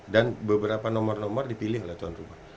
dan beberapa nomor nomor dipilih oleh tuan rumah